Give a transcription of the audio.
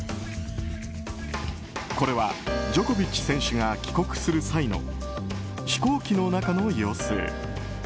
これは、ジョコビッチ選手が帰国する際の飛行機の中の様子。